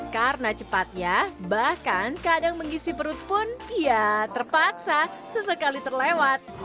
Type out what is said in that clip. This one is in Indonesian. karena cepatnya bahkan kadang mengisi perut pun ya terpaksa sesekali terlewat